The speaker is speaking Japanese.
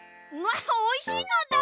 おいしいのだ！